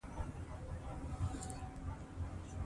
پروژه ښار بدلوي.